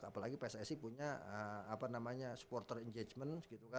apalagi pssi punya supporter engagement